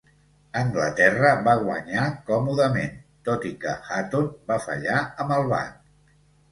Anglaterra va guanyar còmodament, tot i que Hutton va fallar amb el bat.